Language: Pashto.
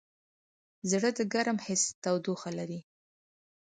زړه د ګرم حس تودوخه لري.